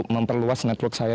memperluas network saya